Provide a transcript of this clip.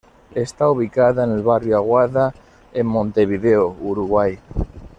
Está ubicada en el Barrio Aguada en Montevideo, Uruguay.